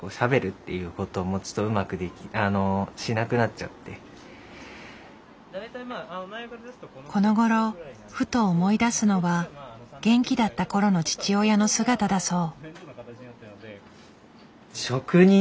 きっかけがこのごろふと思い出すのは元気だったころの父親の姿だそう。